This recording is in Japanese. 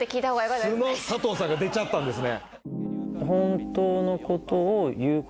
素の佐藤さんが出ちゃったんですね。